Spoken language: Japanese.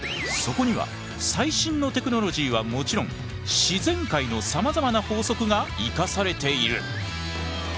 そこには最新のテクノロジーはもちろん自然界のさまざまな法則が生かされている。